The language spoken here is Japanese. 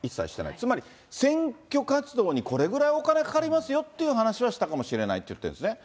つまり選挙活動にこれぐらいお金かかりますよっていう話はしたかもしれないって言ってるんですね。